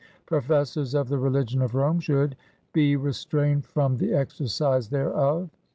Professors of the religion of Rome should ^^be restrained from the exercise thereof.'